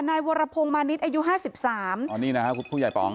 นายวรพงศ์มานิดอายุห้าสิบสามอ๋อนี่นะครับผู้ใหญ่ป๋อง